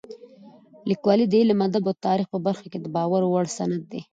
لیکوالی د علم، ادب او تاریخ په برخه کې د باور وړ سند دی.